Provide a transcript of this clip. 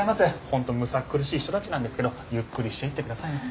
本当むさくるしい人たちなんですけどゆっくりしていってくださいね。